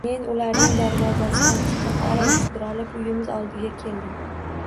Men ularning darvozasidan chiqib, arang sudralib uyimiz oldiga keldim